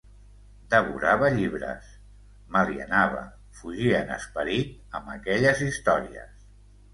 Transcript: Devorava llibres; m'alienava, fugia en esperit, amb aquelles històries.